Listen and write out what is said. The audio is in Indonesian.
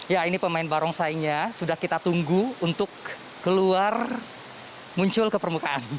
ya ini pemain barongsainya sudah kita tunggu untuk keluar muncul ke permukaan